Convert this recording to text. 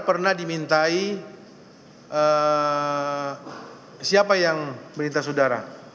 karena dimintai siapa yang melintas saudara